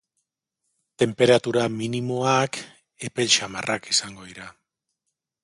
Tenperatura minimoak epel samarrak izango dira.